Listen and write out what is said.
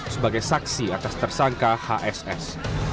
sebagai saksi atas tersangka hss